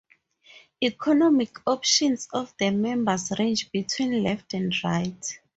Economic opinions of the members range between left and right.